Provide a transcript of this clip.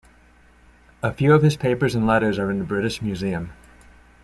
A few of his papers and letters are in the British Museum.